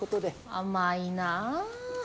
甘いなあ。